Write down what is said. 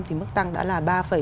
thì mức tăng đã là ba sáu mươi bảy